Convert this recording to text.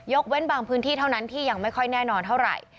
เว้นบางพื้นที่เท่านั้นที่ยังไม่ค่อยแน่นอนเท่าไหร่